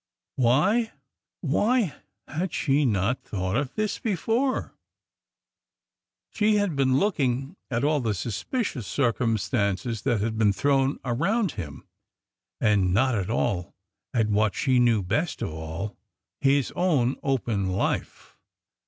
... Why, — zvhy had she not thought of this be fore ? She had been looking at all the suspicious circum stances that had been thrown around him, and not at all at what she knew best of all— his own open life.